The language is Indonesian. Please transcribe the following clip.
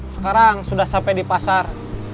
sekarang sudah sampai di pasar